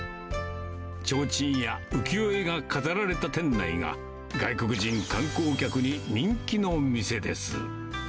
ちょうちんや浮世絵が飾られた店内が、外国人観光客に人気の店です。